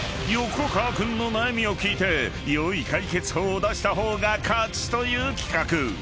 ［横川君の悩みを聞いて良い解決法を出した方が勝ちという企画］